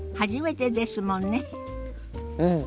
うん。